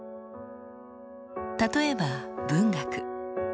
例えば文学。